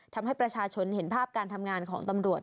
ทำให้ประชาชนเห็นภาพการทำงานของตำรวจ